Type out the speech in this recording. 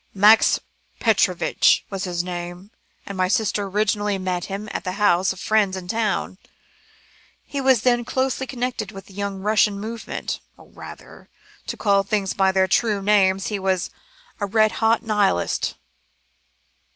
"Max Petrovitch was his real name, and my sister originally met him at the house of friends in town. He was then closely connected with the Young Russia movement or rather, to call things by their true names, he was a red hot Nihilist.